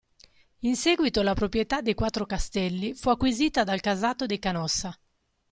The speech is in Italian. In seguito la proprietà dei quattro castelli fu acquisita dal casato dei Canossa.